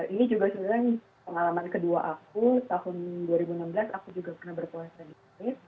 ini juga sebenarnya pengalaman kedua aku tahun dua ribu enam belas aku juga pernah berpuasa di inggris